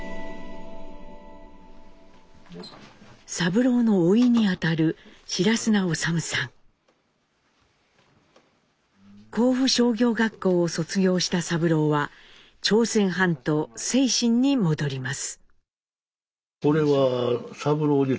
三郎のおいにあたる甲府商業学校を卒業した三郎は朝鮮半島清津に戻ります。